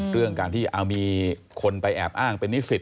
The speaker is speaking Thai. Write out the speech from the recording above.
เรื่องการที่มีคนไปแอบอ้างเป็นนิสิต